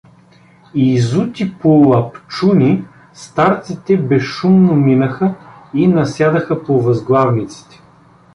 Изути по лапчуни, старците безшумно минаха и насядаха по възглавниците.